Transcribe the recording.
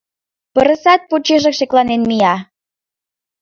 Пырысат почешак шекланен мия.